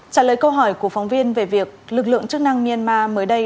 trả lời câu hỏi của phóng viên về việc lực lượng chức năng myanmar mới đây